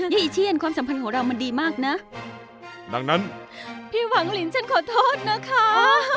เกี่ยวนะที่สุดหวังลิ้นขอโทษนะคะ